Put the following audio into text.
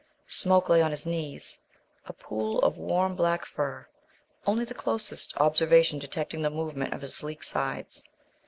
Smoke lay on his knees, a pool of warm, black fur, only the closest observation detecting the movement of his sleek sides.